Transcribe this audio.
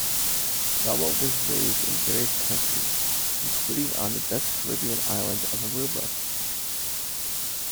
Thelma was raised in various countries, including on the Dutch-Caribbean island of Aruba.